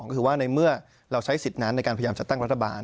ก็คือว่าในเมื่อเราใช้สิทธิ์นั้นในการพยายามจัดตั้งรัฐบาล